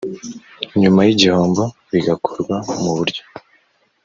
nyuma y igihombo bigakorwa mu buryo